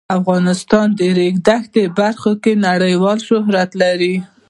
افغانستان د د ریګ دښتې په برخه کې نړیوال شهرت لري.